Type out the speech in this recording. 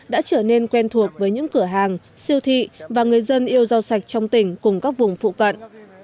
đã trở nên quen thuộc với những cửa hàng siêu thị và người dân yêu rau sạch trong tỉnh cùng các vùng phụ cận